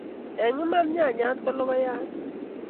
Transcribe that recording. Eng' iman nyanyan ko lokoyan?